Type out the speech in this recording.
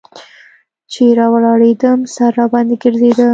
چې راولاړېدم سر راباندې ګرځېده.